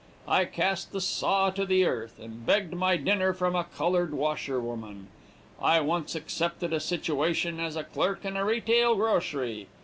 I cast the saw to the earth, and begged my dinner from a colored washerwoman. I once accepted a situation as a clerk in a retail grocery.